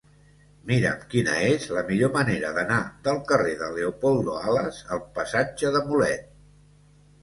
Mira'm quina és la millor manera d'anar del carrer de Leopoldo Alas al passatge de Mulet.